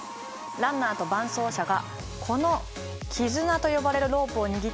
ランナーと伴走者がこのキズナと呼ばれるロープを握って走ります。